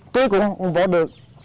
tôi cũng vỗ được